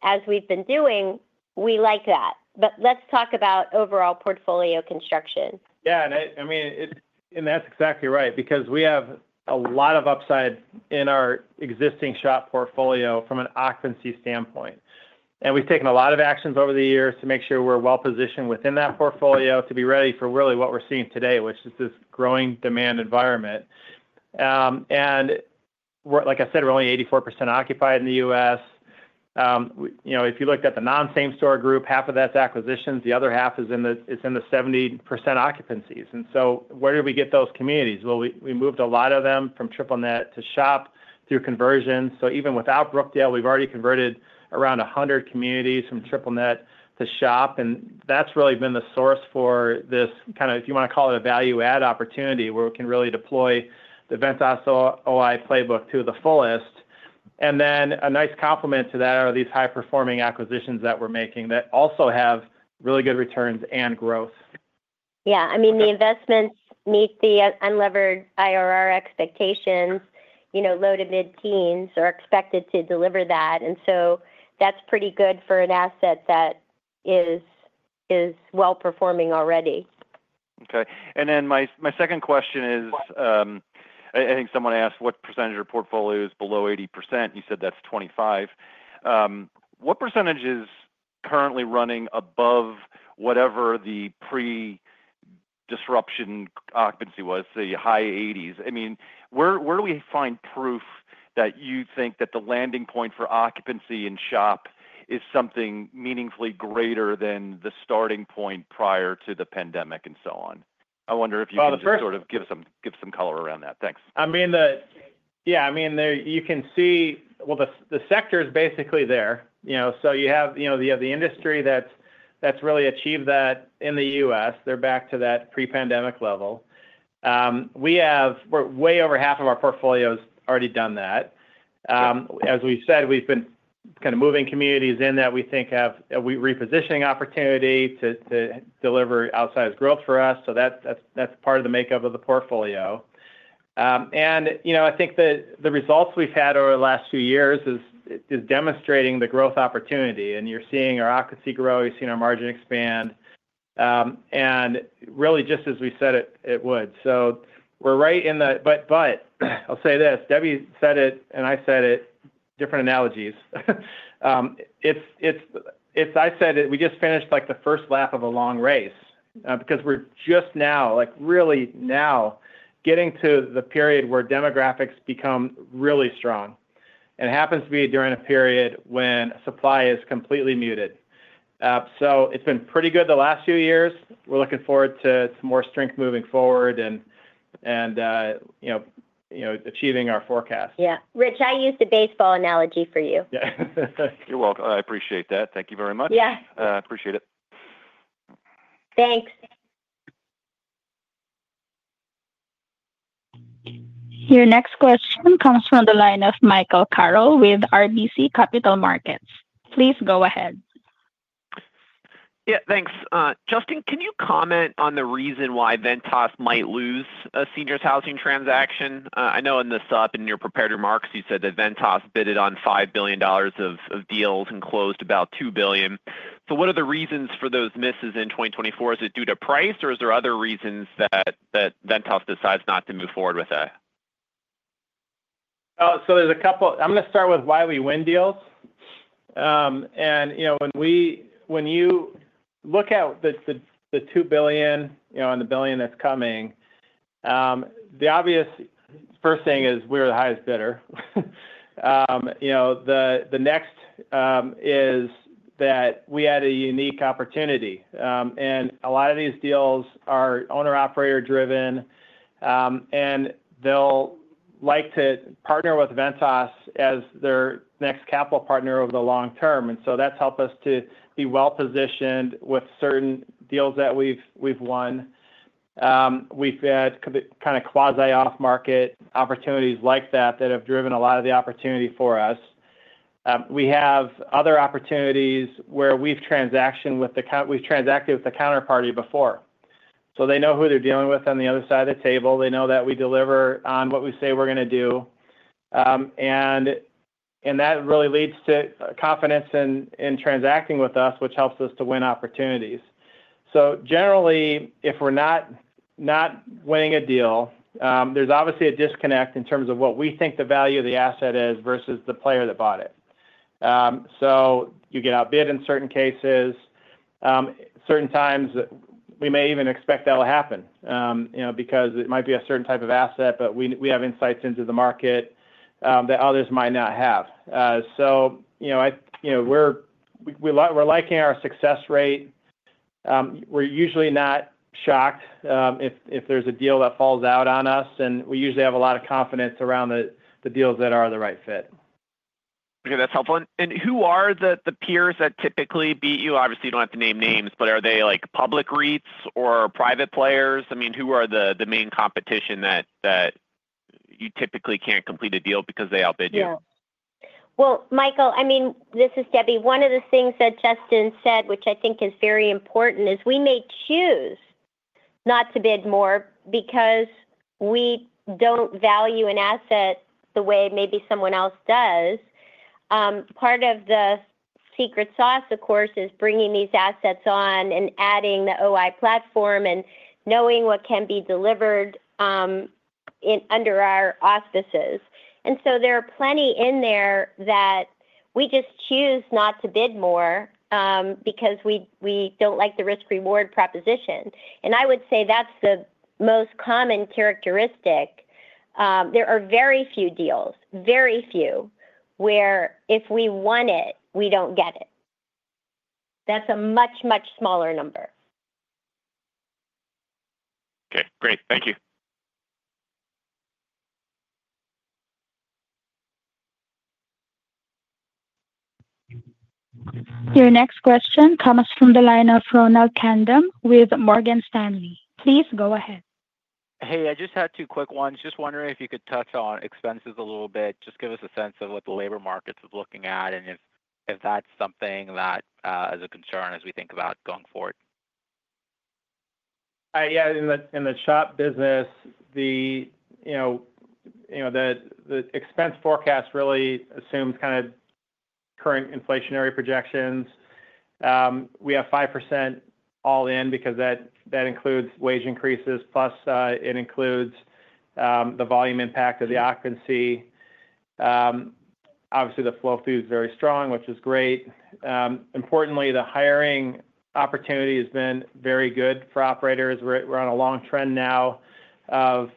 as we've been doing, we like that. But let's talk about overall portfolio construction. Yeah. And I mean, and that's exactly right because we have a lot of upside in our existing SHOP portfolio from an occupancy standpoint. And we've taken a lot of actions over the years to make sure we're well-positioned within that portfolio to be ready for really what we're seeing today, which is this growing demand environment. And like I said, we're only 84% occupied in the U.S. If you looked at the non-same-store group, half of that's acquisitions. The other half is in the 70% occupancies. And so where do we get those communities? Well, we moved a lot of them from triple-net to SHOP through conversion. So even without Brookdale, we've already converted around 100 communities from triple-net to SHOP. And that's really been the source for this kind of, if you want to call it a value-add opportunity, where we can really deploy the Ventas OI playbook to the fullest. And then a nice complement to that are these high-performing acquisitions that we're making that also have really good returns and growth. Yeah. I mean, the investments meet the Unlevered IRR expectations. Low to mid-teens are expected to deliver that. And so that's pretty good for an asset that is well-performing already. Okay. And then my second question is, I think someone asked what percentage of portfolios below 80%. You said that's 25%. What percentage is currently running above whatever the pre-disruption occupancy was, the high 80s? I mean, where do we find proof that you think that the landing point for occupancy in SHOP is something meaningfully greater than the starting point prior to the pandemic and so on? I wonder if you can sort of give some color around that. Thanks. I mean, yeah, I mean, you can see, well, the sector is basically there. So you have the industry that's really achieved that in the U.S. They're back to that pre-pandemic level. We have way over half of our portfolios already done that. As we said, we've been kind of moving communities in that we think have repositioning opportunity to deliver outsized growth for us. So that's part of the makeup of the portfolio. And I think the results we've had over the last few years is demonstrating the growth opportunity. And you're seeing our occupancy grow. You're seeing our margin expand. And really, just as we said it would. So we're right in the but I'll say this. Debbie said it, and I said it, different analogies. I said it. We just finished the first lap of a long race because we're just now, really now, getting to the period where demographics become really strong, and it happens to be during a period when supply is completely muted, so it's been pretty good the last few years. We're looking forward to more strength moving forward and achieving our forecast. Yeah. Rich, I used the baseball analogy for you. Yeah. You're welcome. I appreciate that. Thank you very much. Yeah. Appreciate it. Thanks. Your next question comes from the line of Michael Carroll with RBC Capital Markets. Please go ahead. Yeah. Thanks. Justin, can you comment on the reason why Ventas might lose a senior housing transaction? I know in the sub and your prepared remarks, you said that Ventas bid on $5 billion of deals and closed about $2 billion. So what are the reasons for those misses in 2024? Is it due to price, or is there other reasons that Ventas decides not to move forward with that? So there's a couple. I'm going to start with why we win deals. And when you look at the $2 billion and the billion that's coming, the obvious first thing is we're the highest bidder. The next is that we had a unique opportunity. And a lot of these deals are owner-operator-driven. And they'll like to partner with Ventas as their next capital partner over the long term. And so that's helped us to be well-positioned with certain deals that we've won. We've had kind of quasi-off-market opportunities like that that have driven a lot of the opportunity for us. We have other opportunities where we've transacted with the counterparty before. So they know who they're dealing with on the other side of the table. They know that we deliver on what we say we're going to do. That really leads to confidence in transacting with us, which helps us to win opportunities. Generally, if we're not winning a deal, there's obviously a disconnect in terms of what we think the value of the asset is versus the player that bought it. You get outbid in certain cases. Certain times, we may even expect that will happen because it might be a certain type of asset, but we have insights into the market that others might not have. We're liking our success rate. We're usually not shocked if there's a deal that falls out on us. We usually have a lot of confidence around the deals that are the right fit. Okay. That's helpful. And who are the peers that typically beat you? Obviously, you don't have to name names, but are they public REITs or private players? I mean, who are the main competition that you typically can't complete a deal because they outbid you? Yeah. Well, Michael, I mean, this is Debbie. One of the things that Justin said, which I think is very important, is we may choose not to bid more because we don't value an asset the way maybe someone else does. Part of the secret sauce, of course, is bringing these assets on and adding the OI platform and knowing what can be delivered under our auspices. And so there are plenty in there that we just choose not to bid more because we don't like the risk-reward proposition. And I would say that's the most common characteristic. There are very few deals, very few, where if we won it, we don't get it. That's a much, much smaller number. Okay. Great. Thank you. Your next question comes from the line of Ronald Kamdem with Morgan Stanley. Please go ahead. Hey, I just had two quick ones. Just wondering if you could touch on expenses a little bit. Just give us a sense of what the labor markets are looking at and if that's something that is a concern as we think about going forward. Yeah. In the SHOP business, the expense forecast really assumes kind of current inflationary projections. We have 5% all-in because that includes wage increases, plus it includes the volume impact of the occupancy. Obviously, the flow through is very strong, which is great. Importantly, the hiring opportunity has been very good for operators. We're on a long trend now of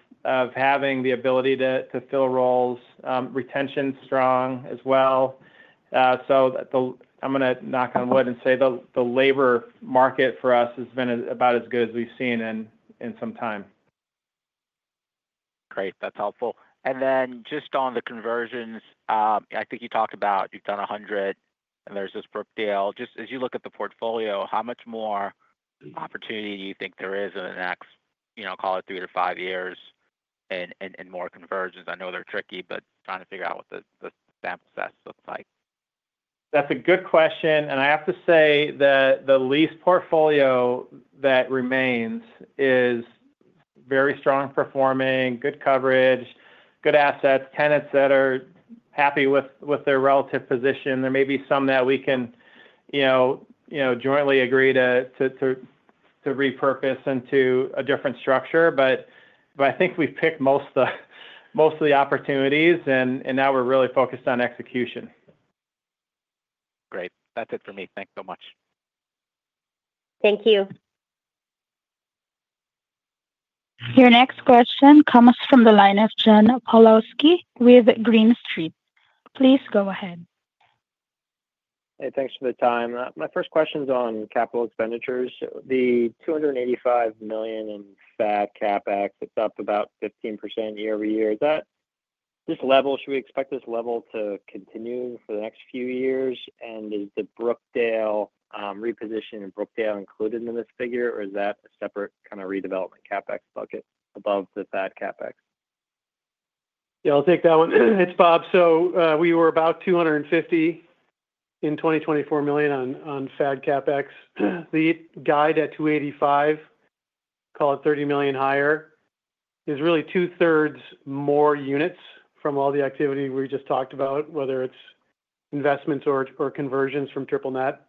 having the ability to fill roles. Retention is strong as well. So I'm going to knock on wood and say the labor market for us has been about as good as we've seen in some time. Great. That's helpful. And then just on the conversions, I think you talked about you've done 100, and there's this Brookdale. Just as you look at the portfolio, how much more opportunity do you think there is in the next, call it, three to five years and more conversions? I know they're tricky, but trying to figure out what the sample size looks like? That's a good question. And I have to say that the lease portfolio that remains is very strong performing, good coverage, good assets, tenants that are happy with their relative position. There may be some that we can jointly agree to repurpose into a different structure, but I think we've picked most of the opportunities, and now we're really focused on execution. Great. That's it for me. Thanks so much. Thank you. Your next question comes from the line of John Pawlowski with Green Street. Please go ahead. Hey, thanks for the time. My first question is on capital expenditures. The $285 million in FAD CapEx, it's up about 15% year over year. Is that this level? Should we expect this level to continue for the next few years? And is the Brookdale repositioning in Brookdale included in this figure, or is that a separate kind of redevelopment CapEx bucket above the FAD CapEx? Yeah. I'll take that one. It's Bob. So we were about $250 million in 2024 on FAD CapEx. The guide at $285 million, call it $30 million higher, is really two-thirds more units from all the activity we just talked about, whether it's investments or conversions from triple-net.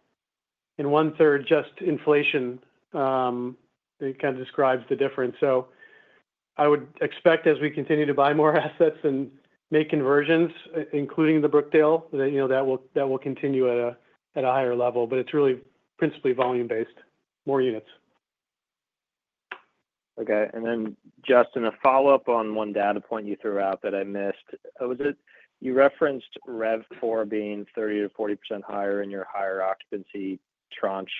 And one-third, just inflation, it kind of describes the difference. So I would expect as we continue to buy more assets and make conversions, including the Brookdale, that will continue at a higher level. But it's really principally volume-based, more units. Okay. And then, Justin, a follow-up on one data point you threw out that I missed. You referenced RevPOR being 30%-40% higher in your higher-occupancy tranche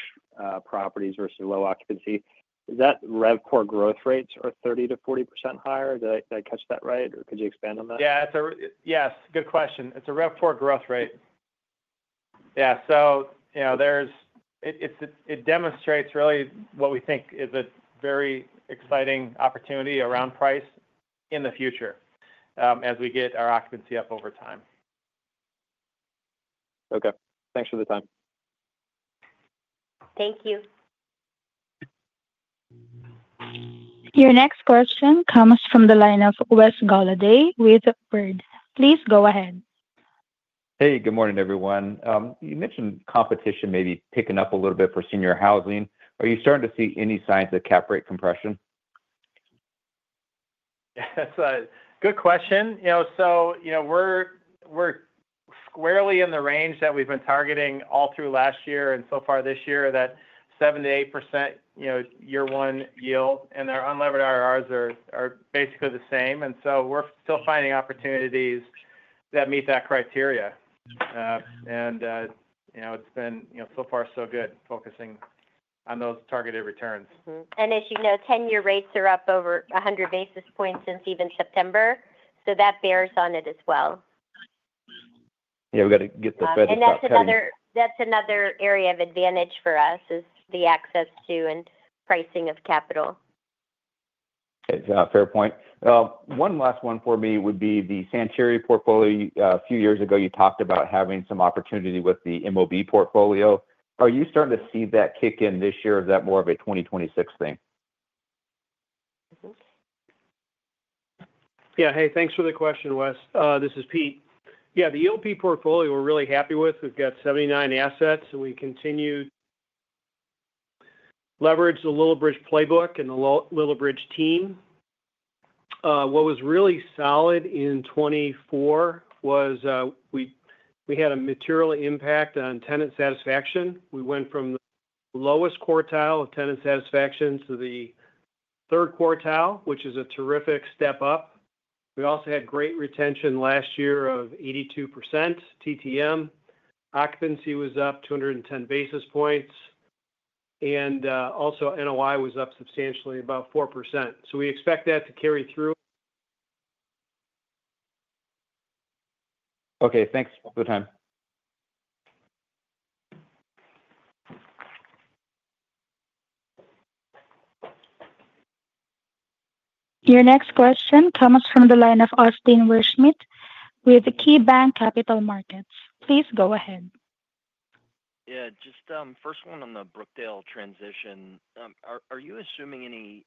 properties versus low-occupancy. Is that RevPOR growth rates are 30%-40% higher? Did I catch that right? Or could you expand on that? Yeah. Yes. Good question. It's a RevPOR growth rate. Yeah. So it demonstrates really what we think is a very exciting opportunity around price in the future as we get our occupancy up over time. Okay. Thanks for the time. Thank you. Your next question comes from the line of Wes Golladay with Baird. Please go ahead. Hey, good morning, everyone. You mentioned competition maybe picking up a little bit for senior housing. Are you starting to see any signs of cap rate compression? That's a good question. So we're squarely in the range that we've been targeting all through last year and so far this year that 7%-8% year-one yield. And our unlevered IRRs are basically the same. And so we're still finding opportunities that meet that criteria. And it's been so far so good focusing on those targeted returns. As you know, ten-year rates are up over 100 basis points since even September. That bears on it as well. Yeah. We got to get the Fed to touch it. That's another area of advantage for us is the access to and pricing of capital. Fair point. One last one for me would be the Sentara portfolio. A few years ago, you talked about having some opportunity with the MOB portfolio. Are you starting to see that kick in this year? Is that more of a 2026 thing? Yeah. Hey, thanks for the question, Wes. This is Pete. Yeah. The MOB portfolio, we're really happy with. We've got 79 assets. And we continue to leverage the Lillibridge playbook and the Lillibridge team. What was really solid in 2024 was we had a material impact on tenant satisfaction. We went from the lowest quartile of tenant satisfaction to the third quartile, which is a terrific step up. We also had great retention last year of 82% TTM. Occupancy was up 210 basis points. And also, NOI was up substantially, about 4%. So we expect that to carry through. Okay. Thanks for the time. Your next question comes from the line of Austin Wurschmidt with KeyBanc Capital Markets. Please go ahead. Yeah. Just first one on the Brookdale transition. Are you assuming any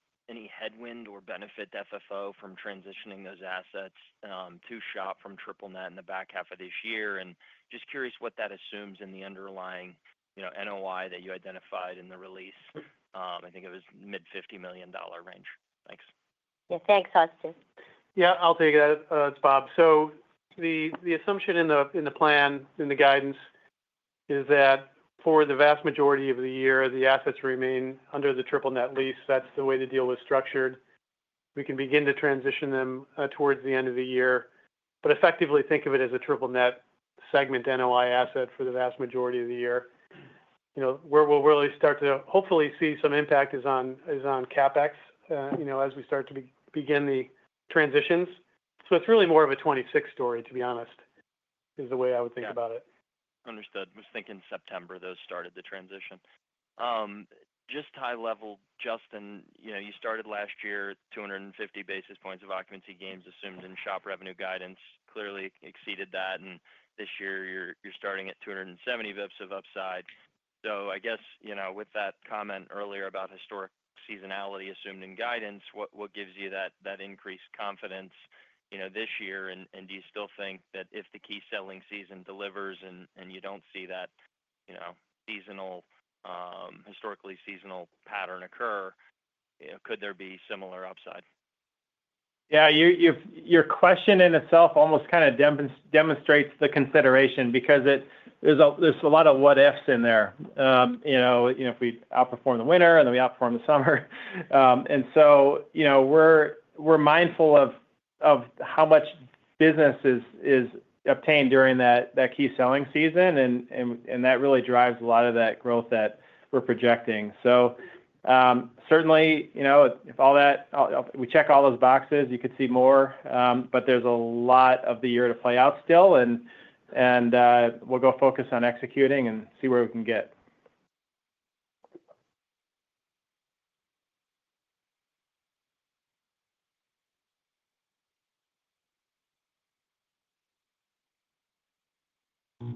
headwind or benefit FFO from transitioning those assets to SHOP from triple-net in the back half of this year? And just curious what that assumes in the underlying NOI that you identified in the release. I think it was mid-$50 million range. Thanks. Yeah. Thanks, Austin. Yeah. I'll take that. It's Bob. So the assumption in the plan, in the guidance, is that for the vast majority of the year, the assets remain under the Triple-Net lease. That's the way the deal was structured. We can begin to transition them towards the end of the year. But effectively, think of it as a Triple-Net segment NOI asset for the vast majority of the year. Where we'll really start to hopefully see some impact is on CapEx as we start to begin the transitions. So it's really more of a '26 story, to be honest, is the way I would think about it. Understood. I was thinking September, though, started the transition. Just high-level, Justin, you started last year, 250 basis points of occupancy gains assumed in SHOP revenue guidance. Clearly exceeded that. And this year, you're starting at 270 basis points of upside. So I guess with that comment earlier about historic seasonality assumed in guidance, what gives you that increased confidence this year? And do you still think that if the key selling season delivers and you don't see that historically seasonal pattern occur, could there be similar upside? Yeah. Your question in itself almost kind of demonstrates the consideration because there's a lot of what-ifs in there. If we outperform the winter and then we outperform the summer. And so we're mindful of how much business is obtained during that key selling season. And that really drives a lot of that growth that we're projecting. So certainly, if all that we check all those boxes, you could see more. But there's a lot of the year to play out still. And we'll go focus on executing and see where we can get.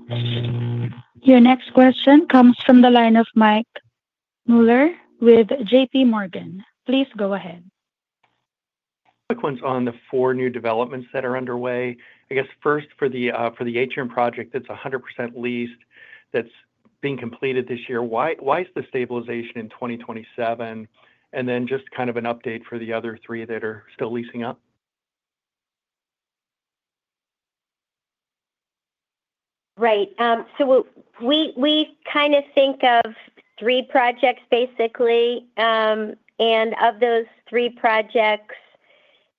Your next question comes from the line of Mike Mueller with J.P. Morgan. Please go ahead. Quick ones on the four new developments that are underway. I guess first, for the Atrium project, it's 100% leased, that's being completed this year. Why is the stabilization in 2027? And then just kind of an update for the other three that are still leasing up. Right. So we kind of think of three projects, basically. And of those three projects,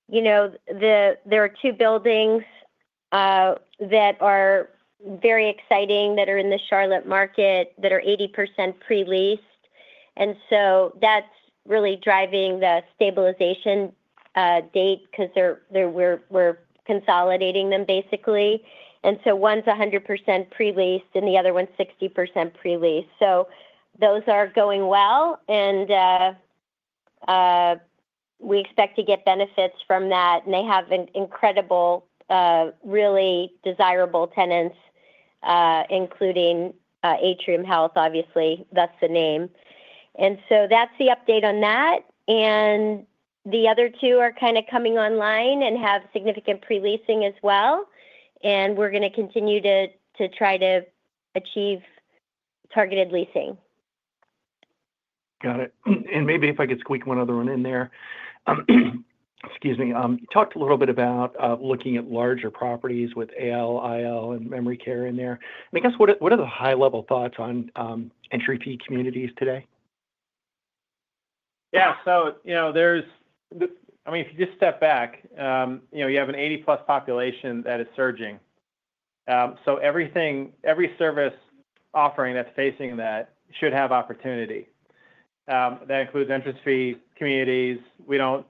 there are two buildings that are very exciting that are in the Charlotte market that are 80% pre-leased. And so that's really driving the stabilization date because we're consolidating them, basically. And so one's 100% pre-leased and the other one's 60% pre-leased. So those are going well. And we expect to get benefits from that. And they have incredible, really desirable tenants, including Atrium Health, obviously. That's the name. And so that's the update on that. And the other two are kind of coming online and have significant pre-leasing as well. And we're going to continue to try to achieve targeted leasing. Got it. And maybe if I could squeak one other one in there. Excuse me. You talked a little bit about looking at larger properties with AL, IL, and memory care in there. I guess what are the high-level thoughts on entry-fee communities today? Yeah. So I mean, if you just step back, you have an 80-plus population that is surging. So every service offering that's facing that should have opportunity. That includes entrance fee communities. We don't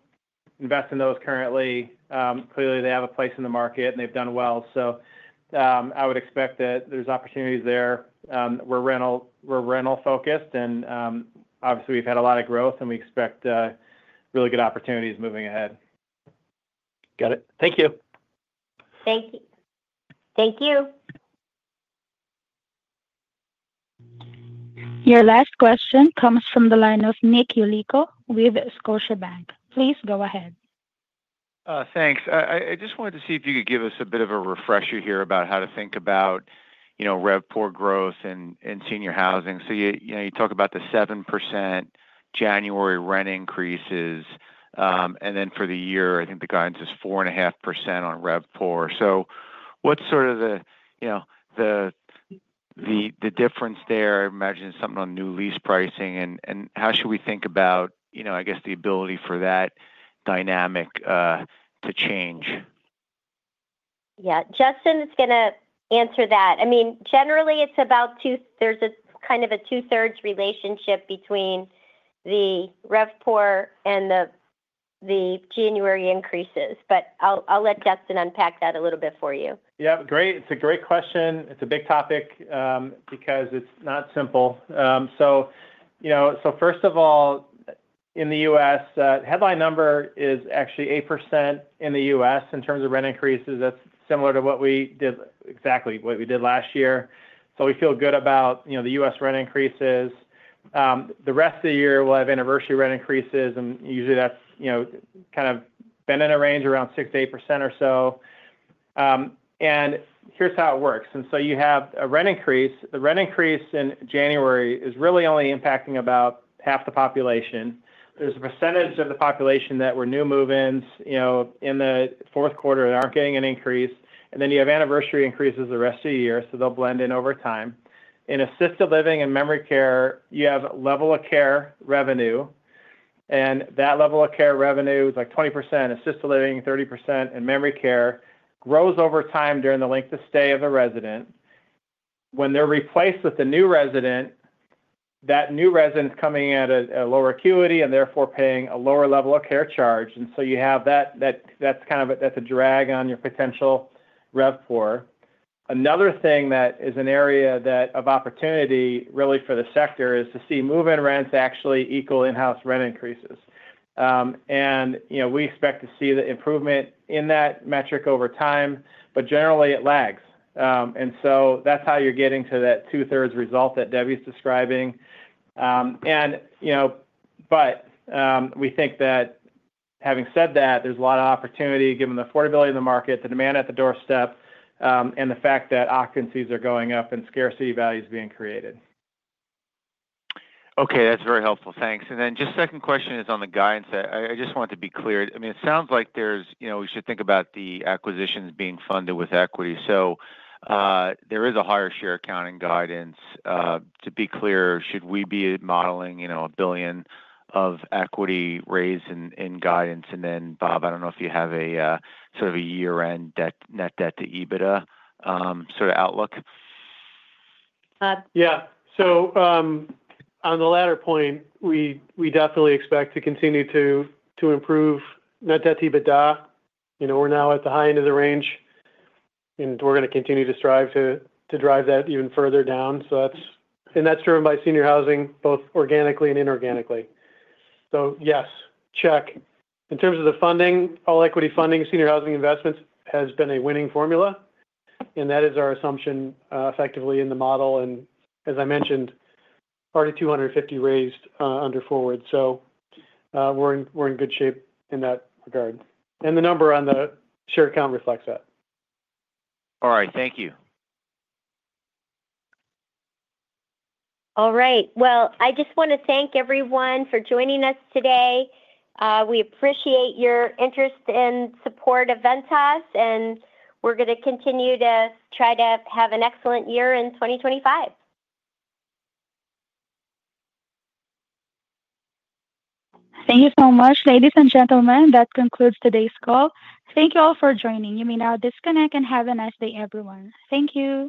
invest in those currently. Clearly, they have a place in the market and they've done well. So I would expect that there's opportunities there. We're rental-focused. And obviously, we've had a lot of growth and we expect really good opportunities moving ahead. Got it. Thank you. Thank you. Your last question comes from the line of Nick Yulico with Scotiabank. Please go ahead. Thanks. I just wanted to see if you could give us a bit of a refresher here about how to think about RevPOR growth and senior housing. So you talk about the 7% January rent increases. And then for the year, I think the guidance is 4.5% on RevPOR. So what's sort of the difference there? I imagine it's something on new lease pricing. And how should we think about, I guess, the ability for that dynamic to change? Yeah. Justin is going to answer that. I mean, generally, it's about there's kind of a two-thirds relationship between the RevPOR and the January increases. But I'll let Justin unpack that a little bit for you. Yeah. Great. It's a great question. It's a big topic because it's not simple. So first of all, in the U.S., headline number is actually 8% in the U.S. in terms of rent increases. That's similar to what we did last year. So we feel good about the U.S. rent increases. The rest of the year, we'll have anniversary rent increases, and usually that's kind of been in a range around 6%-8% or so, and here's how it works, and so you have a rent increase. The rent increase in January is really only impacting about half the population. There's a percentage of the population that were new move-ins in the fourth quarter that aren't getting an increase, and then you have anniversary increases the rest of the year. So they'll blend in over time. In assisted living and memory care, you have level of care revenue. And that level of care revenue is like 20%, assisted living 30%, and memory care grows over time during the length of stay of the resident. When they're replaced with a new resident, that new resident is coming at a lower acuity and therefore paying a lower level of care charge. And so you have that. That's kind of a drag on your potential RevPOR. Another thing that is an area of opportunity really for the sector is to see move-in rents actually equal in-house rent increases. And we expect to see the improvement in that metric over time. But generally, it lags. And so that's how you're getting to that two-thirds result that Debbie's describing. But we think that having said that, there's a lot of opportunity given the affordability of the market, the demand at the doorstep, and the fact that occupancies are going up and scarcity values being created. Okay. That's very helpful. Thanks. And then just second question is on the guidance. I just want to be clear. I mean, it sounds like we should think about the acquisitions being funded with equity. So there is a higher share count guidance. To be clear, should we be modeling $1 billion of equity raise in guidance? And then, Bob, I don't know if you have a sort of a year-end net debt to EBITDA sort of outlook. Yeah. So on the latter point, we definitely expect to continue to improve net debt to EBITDA. We're now at the high end of the range. And we're going to continue to strive to drive that even further down. And that's driven by senior housing, both organically and inorganically. So yes, check. In terms of the funding, all equity funding, senior housing investments has been a winning formula. And that is our assumption effectively in the model. And as I mentioned, already 250 raised under forward. And we're in good shape in that regard. And the number on the share count reflects that. All right. Thank you. All right. Well, I just want to thank everyone for joining us today. We appreciate your interest and support of Ventas. And we're going to continue to try to have an excellent year in 2025. Thank you so much, ladies and gentlemen. That concludes today's call. Thank you all for joining. You may now disconnect and have a nice day, everyone. Thank you.